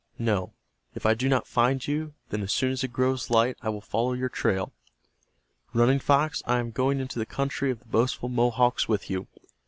No. If I do not find you, then as soon as it grows light I will follow your trail. Running Fox, I am going into the country of the boastful Mohawks with you.